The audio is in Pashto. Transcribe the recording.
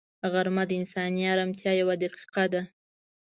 غرمه د انساني ارامتیا یوه دقیقه ده